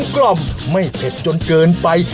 กล่อมไม่เผ็ดจนเกินไป